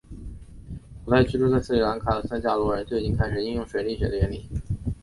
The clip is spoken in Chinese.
古代居住在斯里兰卡的僧伽罗人就已经开始应用水力学的原理。